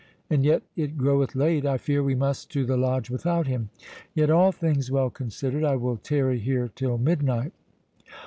And yet it groweth late—I fear we must to the Lodge without him—Yet, all things well considered, I will tarry here till midnight.